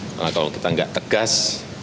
karena kalau kita enggak tegas